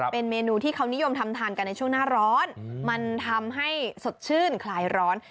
เป็นเมนูที่เขานิยมทำทานกันในช่วงหน้าร้อนมันทำให้สดชื่นคลายร้อน